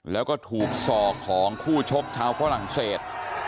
แล้วก็ถูกศอกของคู่ชกชาวฝรั่งเศส